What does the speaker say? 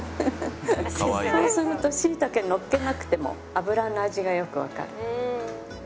そうすると椎茸のっけなくても油の味がよくわかる。